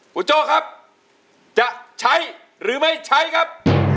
คุณโจ้ครับจะใช้หรือไม่ใช้ครับ